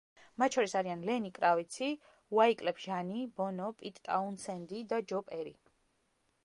მათ შორის არიან: ლენი კრავიცი, უაიკლეფ ჟანი, ბონო, პიტ ტაუნსენდი და ჯო პერი.